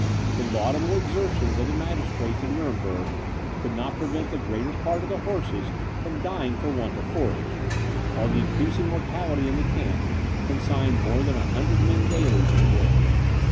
The laudable exertions of the magistrates of Nuremberg could not prevent the greater part of the horses from dying for want of forage, while the increasing mortality in the camp consigned more than a hundred men daily to the grave.